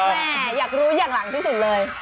แม่อยากรู้อย่างหลังที่สุดเลย